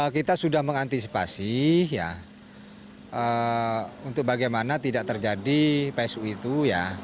kita sudah mengantisipasi ya untuk bagaimana tidak terjadi psu itu ya